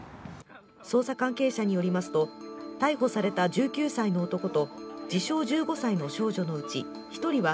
捜査関係者によりますと、逮捕された１９歳の男と自称１５歳の少女のうち１人は